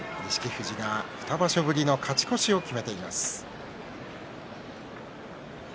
富士が２場所ぶりの勝ち越しを決めています。